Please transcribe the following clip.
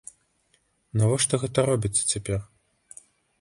Навошта гэта робіцца цяпер?